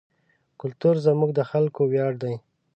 کلتور زموږ د خلکو ویاړ دی.